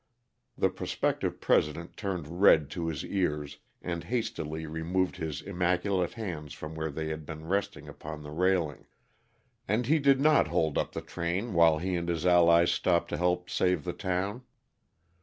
The prospective President turned red to his ears, and hastily removed his immaculate hands from where they had been resting upon the railing. And he did not hold up the train while he and his allies stopped to help save the town.